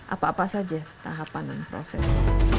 apa apa saja tahapan dan prosesnya